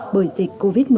bởi dịch covid một mươi chín